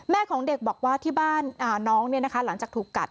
ของเด็กบอกว่าที่บ้านน้องหลังจากถูกกัด